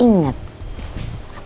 apa yang harus inget